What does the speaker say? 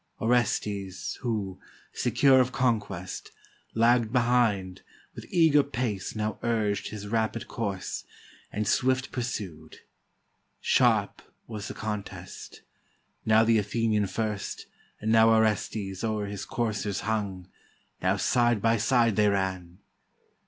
Orestes, who, secure Of conquest, lagg'd behind, with eager pace Now urged his rapid course, and swift pursued. Sharp was the contest; now the Athenian first, And now Orestes o'er his coursers hung; Now side by side they ran.